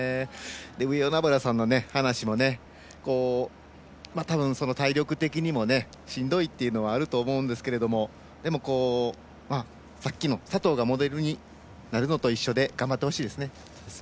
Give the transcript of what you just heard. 上与那原さんの話もたぶん、体力的にもしんどいというのはあると思うんですがでも、さっきの佐藤がモデルになるのと一緒で頑張ってほしいですね。